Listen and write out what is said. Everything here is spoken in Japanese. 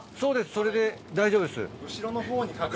それで大丈夫です。